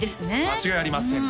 間違いありません